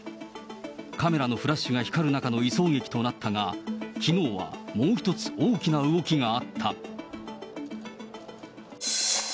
カメラのフラッシュが光る中の移送劇となったが、きのうはもう一つ、大きな動きがあった。